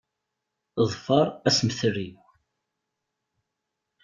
Ḍfeṛ assemter-iw!